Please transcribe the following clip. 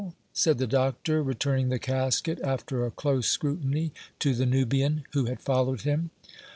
said the doctor, returning the casket, after a close scrutiny, to the Nubian, who had followed him.